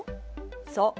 そう。